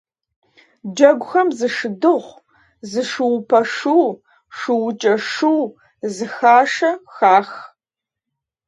Джэгухэм зы шыдыгъу, зы шуупэ шу, шуукӀэ шу, зы хашэ хах.